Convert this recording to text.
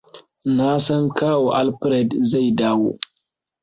Na san Kawu Alfred zai dawo.